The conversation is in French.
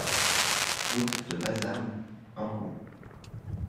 Route de Bazarde, Orgon